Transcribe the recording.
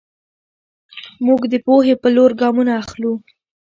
موږ د پوهې په لور ګامونه اخلو.